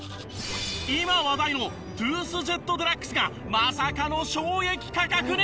今話題のトゥースジェットＤＸがまさかの衝撃価格に！